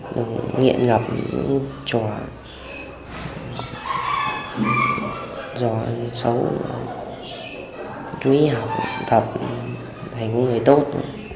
để giúp gia đình trở thành người tốt